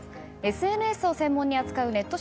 ＳＮＳを専門に扱うネット